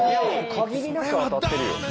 限りなく当たってるよ。